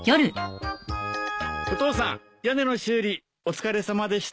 お父さん屋根の修理お疲れさまでした。